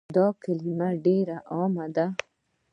دا کلمه ډيره عامه ده